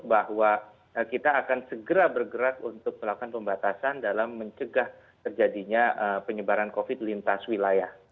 bahwa kita akan segera bergerak untuk melakukan pembatasan dalam mencegah terjadinya penyebaran covid lintas wilayah